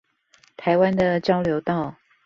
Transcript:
台灣的交流道